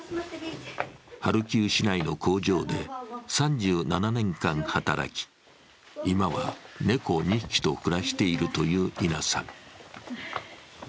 ハルキウ市内の工場で３７年間働き今は、猫２匹と暮らしているというニナさん。